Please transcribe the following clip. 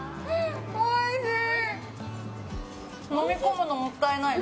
おいしい！